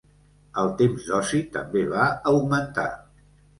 El temps d'oci també va augmentar.